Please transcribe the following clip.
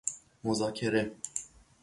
مذاکره